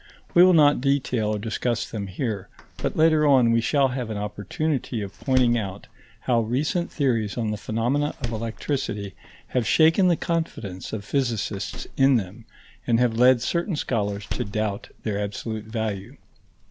We will not detail nor discuss them here, but later on we shall have an opportunity of pointing out how recent theories on the phenomena of electricity have shaken the confidence of physicists in them and have led certain scholars to doubt their absolute value.